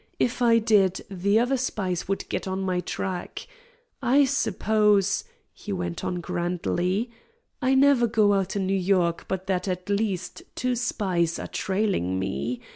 If I did, the other spies would get on my track. I suppose," he went on grandly, "I never go out in New York but that at least two spies are trailing me.